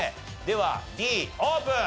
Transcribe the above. ではＤオープン！